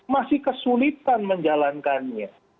masih kesulitan menjalankannya